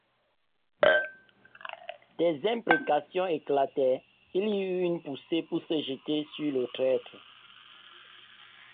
Des imprécations éclataient, il y eut une poussée pour se jeter sur le traître.